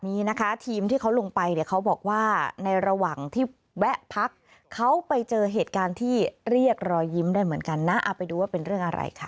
นี้นะคะทีมที่เขาลงไปเนี่ยเขาบอกว่าในระหว่างที่แวะพักเขาไปเจอเหตุการณ์ที่เรียกรอยยิ้มได้เหมือนกันนะเอาไปดูว่าเป็นเรื่องอะไรค่ะ